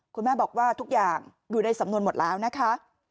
คุณแม่บอกว่าทุกอย่างอยู่ในสำนวนหมดแล้วนะคะ